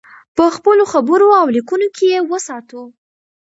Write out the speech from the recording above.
په خپلو خبرو او لیکنو کې یې وساتو.